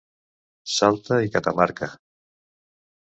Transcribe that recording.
Salta i Catamarca.